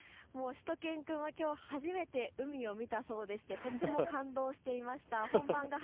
しゅと犬くんはきょう初めて海を見たそうでしてとても感動していました。